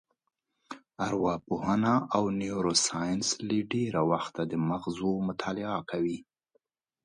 ارواپوهنه او نیورو ساینس له ډېره وخته د مغز مطالعه کوي.